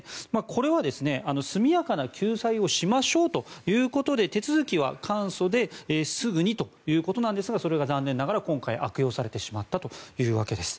これは速やかな救済をしましょうということで手続きは簡素ですぐにということなんですがそれが残念ながら今回、悪用されてしまったというわけです。